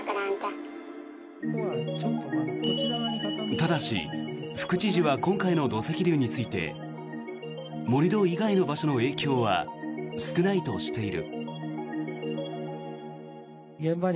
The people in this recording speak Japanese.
ただし、副知事は今回の土石流について盛り土以外の場所の影響は少ないとしている。